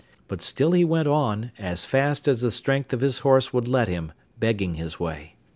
But still he went on, as fast as the strength of his horse would let him, begging his way.